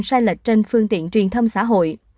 sai lệch trên phương tiện truyền thông xã hội